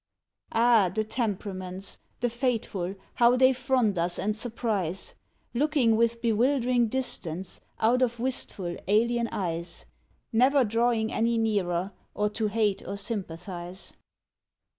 Ah, the temperaments, the fateful, how they front us and surprise, Looking with bewildering distance out of wistful, alien eyes, Never drawing any nearer, or to hate or sympathize.